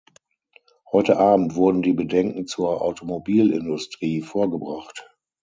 Heute Abend wurden die Bedenken zur Automobilindustrie vorgebracht.